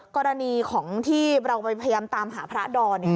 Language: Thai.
กรณีของที่เราไปพยายามตามหาพระดอน